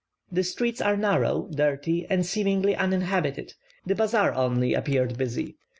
The streets are narrow, dirty, and seemingly uninhabited; the bazaar only appeared busy.